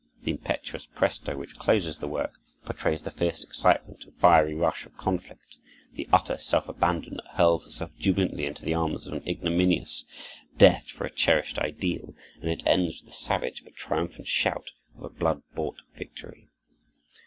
The impetuous presto which closes the work portrays the fierce excitement and fiery rush of conflict, the utter self abandon that hurls itself jubilantly into the arms of an ignominious death for a cherished ideal; and it ends with the savage but triumphant shout of a blood bought victory.